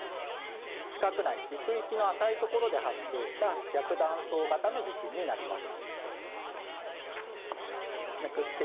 地殻内、陸域の浅いところで発生した逆断層型の地震になります。